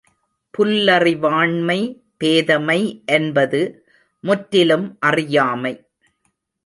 புல்லறிவாண்மை பேதைமை என்பது முற்றிலும் அறியாமை.